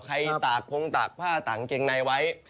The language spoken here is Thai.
ตากพงตากผ้าตากเกงในไว้